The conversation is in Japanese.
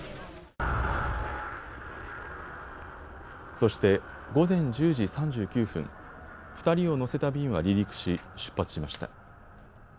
そして、午前１０時３９分、２人を乗せた便は離陸し、出発しました。